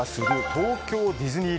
東京ディズニー